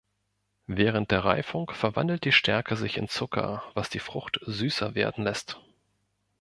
Während der Reifung verwandelt die Stärke sich in Zucker, was die Frucht süßer werden lässt.